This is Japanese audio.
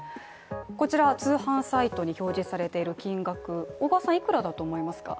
こちら、通販サイトに表示されている金額小川さん、いくらだと思いますか？